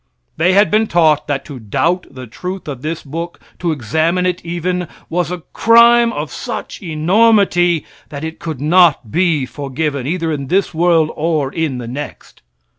They had been taught that to doubt the truth of this book, to examine it, even, was a crime of such enormity that it could not be forgiven, either in this world or in the next.